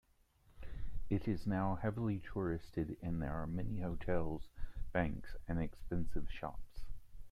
It is now heavily touristed and there are many hotels, banks and expensive shops.